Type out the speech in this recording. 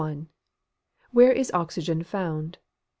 _Where is oxygen found?